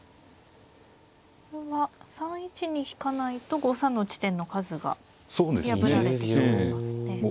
３一に引かないと５三の地点の数が破られてしまいますね。